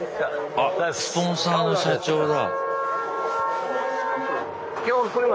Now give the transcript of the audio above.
あっスポンサーの社長だ。